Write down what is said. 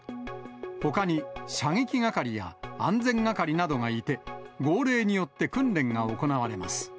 ほかに、射撃係や安全係などがいて、号令によって訓練が行われます。